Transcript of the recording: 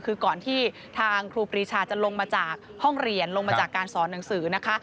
คือก่อนที่ทางครูปรีชาจะลงมาจากห้องเรียนลงมาจากการสอนหนังสือนะคะ